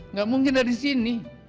nggak mungkin dari sini